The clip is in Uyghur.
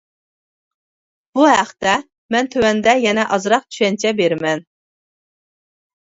بۇ ھەقتە مەن تۆۋەندە يەنە ئازراق چۈشەنچە بېرىمەن.